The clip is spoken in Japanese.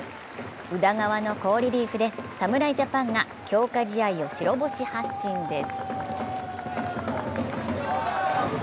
宇田川の好リリーフで侍ジャパンが強化試合を白星発進です。